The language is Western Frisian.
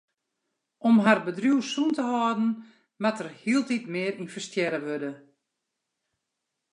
Om har bedriuw sûn te hâlden moat der hieltyd mear ynvestearre wurde.